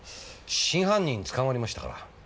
真犯人捕まりましたから。